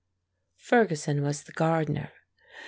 Ferguson was the gardener.